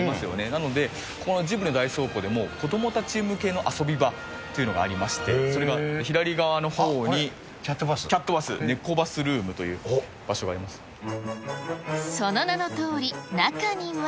なので、このジブリの大倉庫でも子どもたち向けの遊び場というのがありまして、それが左側のほうにキャットバス、ネコバスルームという場所がありその名のとおり、中には。